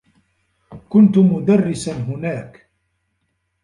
كنت مدرّسا هناك.